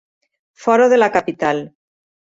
Fora de la capital.